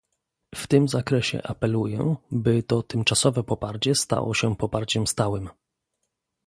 W tym zakresie apeluję, by to tymczasowe poparcie stało się poparciem stałym